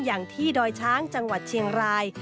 อย่างที่ดอยช้างจังหวัดเชียงราย